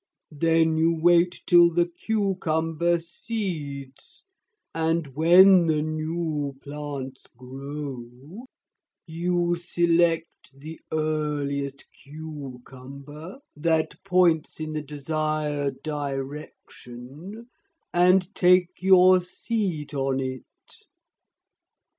Then you wait till the cucumber seeds, and, when the new plants grow, you select the earliest cucumber that points in the desired direction and take your seat on it.